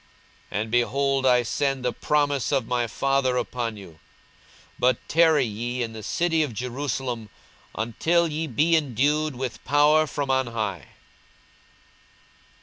42:024:049 And, behold, I send the promise of my Father upon you: but tarry ye in the city of Jerusalem, until ye be endued with power from on high.